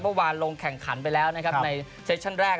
พวกวานลงแข่งขันไปแล้วในเซชชั่นแรก